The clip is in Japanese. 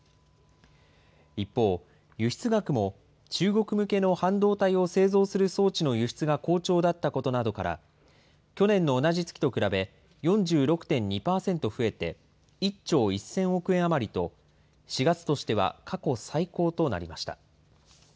一方、輸出額も中国向けの半導体を製造する装置の輸出が好調だったことなどから、去年の同じ月と比べ、４６．２％増えて、１兆１０００億円余りと、４月としては過去最高となりました。